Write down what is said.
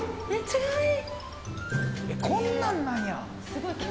こんなんなんや。